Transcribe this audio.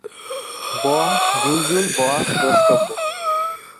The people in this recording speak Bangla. বোয়া, জুল জুল বোয়া দ্রষ্টব্য।